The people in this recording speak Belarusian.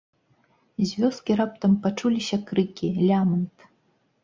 З вёскі раптам пачуліся крыкі, лямант.